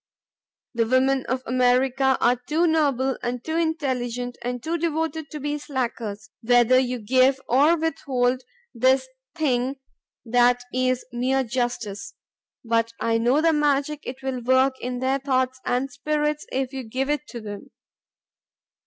The women of America arc too noble and too intelligent and too devoted to be slackers whether you give or withhold this thing that is mere justice; but I know the magic it will work in their thoughts and spirits if you give it them.